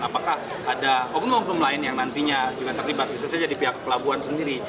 apakah ada oknum oknum lain yang nantinya juga terlibat bisa saja di pihak pelabuhan sendiri